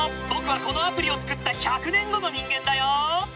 僕はこのアプリを作った１００年後の人間だよ。